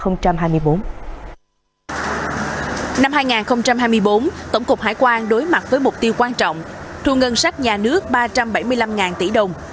năm hai nghìn hai mươi bốn tổng cục hải quan đối mặt với mục tiêu quan trọng thu ngân sách nhà nước ba trăm bảy mươi năm tỷ đồng